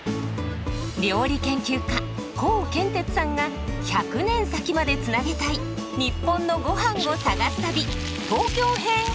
料理研究家コウケンテツさんが１００年先までつなげたい日本のゴハンを探す旅東京編！